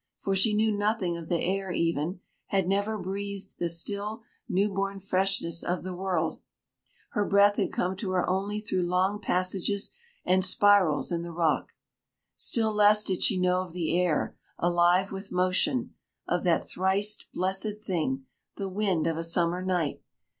For she knew nothing of the air even, had never breathed the still new born freshness of the world. Her breath had come to her only through long passages and spirals in the rock. Still less did she know of the air alive with motion of that thrice blessed thing, the wind of a summer night.